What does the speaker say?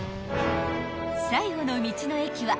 ［最後の道の駅は］